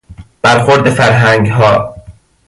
برخورد فرهنگها